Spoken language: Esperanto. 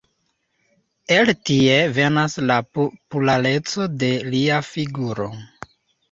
El tie venas la populareco de lia figuro.